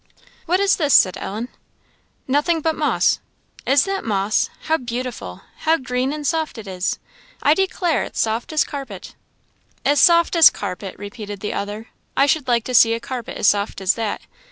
"What is this?" said Ellen. "Nothing but moss." "Is that moss! How beautiful! how green and soft it is! I declare it's as soft as a carpet." "As soft as a carpet!" repeated the other. "I should like to see a carpet as soft as that!